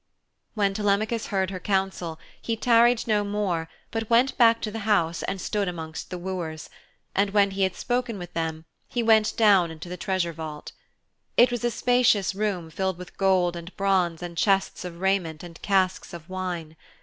When Telemachus heard her counsel he tarried no more but went back to the house and stood amongst the wooers, and when he had spoken with them he went down into the treasure vault. It was a spacious room filled with gold and bronze and chests of raiment and casks of wine.